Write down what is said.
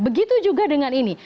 begitu juga dengan ini